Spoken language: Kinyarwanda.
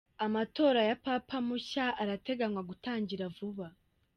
Amatora ya Papa mushya arateganywa gutangira vuba